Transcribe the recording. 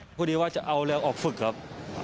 พอดีว่าจะเอาเรือออกฝึกครับ